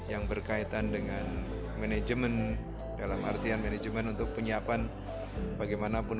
yang berkaitan dengan manajemen dalam artian manajemen untuk penyiapan bagaimanapun